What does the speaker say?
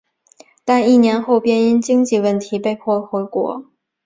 但一年后便因经济问题被迫回国。